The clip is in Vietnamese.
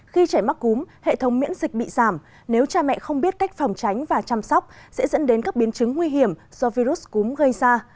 khi trẻ mắc cúm hệ thống miễn dịch bị giảm nếu cha mẹ không biết cách phòng tránh và chăm sóc sẽ dẫn đến các biến chứng nguy hiểm do virus cúm gây ra